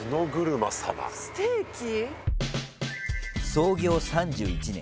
創業３１年。